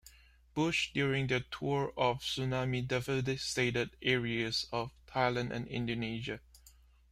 Bush during their tour of the tsunami-devastated areas of Thailand and Indonesia.